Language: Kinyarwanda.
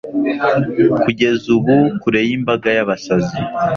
Kugeza ubu kure yimbaga yabasazi